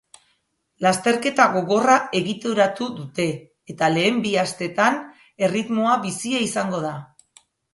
Lasterketa gogorra egituratu dute, eta lehen bi asteetan erritmoa bizia izango da.